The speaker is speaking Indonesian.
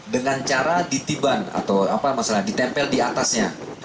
dengan cara ditiban atau apa masalahnya ditempel diatasnya